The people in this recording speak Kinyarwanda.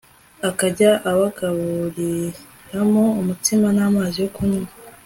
akajya abagaburiramo umutsima namazi yo kunywa